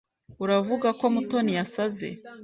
Uravuga ko Mutoni yasaze?